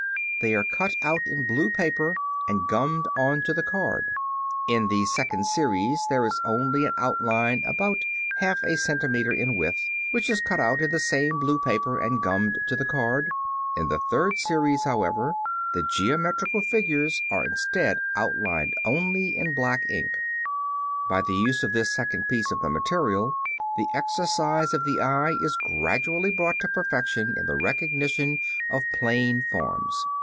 _, they are cut out in blue paper and gummed on to the card; in the second series there is only an outline about half a centimeter in width, which is cut out in the same blue paper and gummed to the card; in the third series, however, the geometrical figures are instead outlined only in black ink. By the use of this second piece of the material, the exercise of the eye is gradually brought to perfection in the recognition of "plane forms."